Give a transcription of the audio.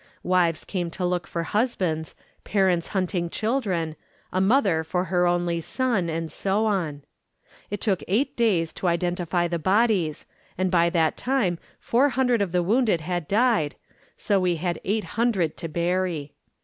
Wives came to look for husbands, parents hunting children, a mother for her only son, and so on. It took eight days to identify the bodies and by that time four hundred of the wounded had died, and so we had eight hundred to bury.